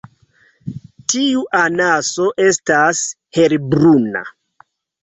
Tiu anaso estas helbruna.